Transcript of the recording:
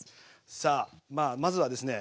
さあまずはですね